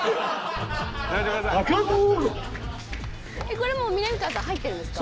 「これもうみなみかわさん入ってるんですか？」